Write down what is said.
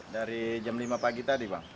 dari jam lima pagi tadi bang